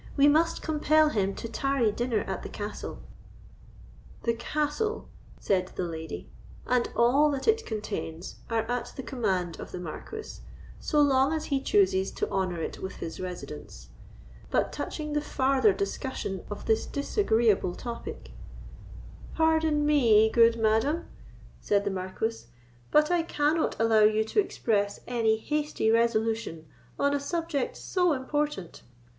We must compel him to tarry dinner at the castle." "The castle," said the lady, "and all that it contains, are at the command of the Marquis, so long as he chooses to honour it with his residence; but touching the farther discussion of this disagreeable topic——" "Pardon me, good madam," said the Marquis; "but I cannot allow you to express any hasty resolution on a subject so important.